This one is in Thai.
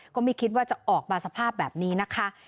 ก็ไม่คิดว่าจะออกมาสภาพแบบนี้นะคะ